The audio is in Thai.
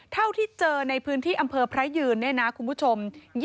เท่าที่เจอในพื้นที่อำเภอพระยืนเนี่ยนะคุณผู้ชม